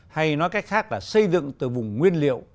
hay nói cách khác là xây dựng từ vùng nguyên liệu